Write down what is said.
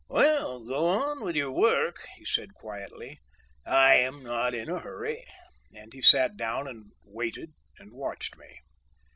"Well, go on with your work," he said quietly, "I am not in a hurry"; and he sat down and waited and watched me.